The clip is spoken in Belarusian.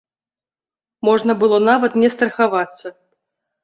Можна было нават не страхавацца.